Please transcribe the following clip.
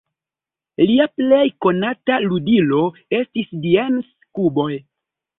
Lia plej konata ludilo estis "Dienes-kuboj".